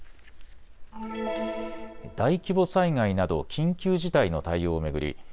大規模災害など緊急事態の対応を巡り